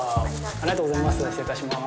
ありがとうございます。